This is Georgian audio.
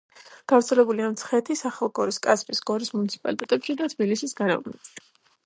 გავრცელებულია მცხეთის, ახალგორის, კასპის, გორის მუნიციპალიტეტებში და თბილისის გარეუბნებში.